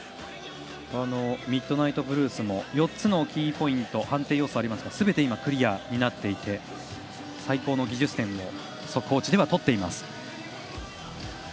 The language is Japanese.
ミッドナイトブルースも４つのキーポイント判定要素がありますがすべてクリアになっていて最高の技術点を速報値では取っています。